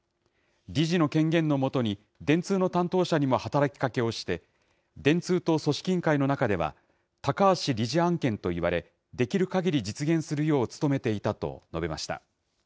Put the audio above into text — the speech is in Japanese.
理事の権限のもとに、電通の担当者にも働きかけをして、電通と組織委員会の中では、高橋理事案件といわれ、できるかぎり実現するよう努めていたと述べました。